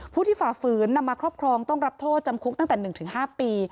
ที่ฝ่าฝืนนำมาครอบครองต้องรับโทษจำคุกตั้งแต่๑๕ปี